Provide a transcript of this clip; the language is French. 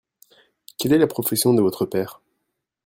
Quelle est la profession de votre père ?